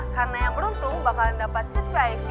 karena yang beruntung bakalan dapat vip